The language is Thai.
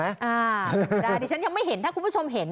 ธรรมดาดิฉันยังไม่เห็นถ้าคุณผู้ชมเห็น